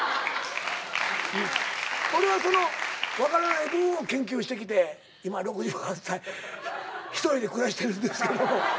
俺はその分からない部分を研究してきて今６８歳一人で暮らしてるんですけども。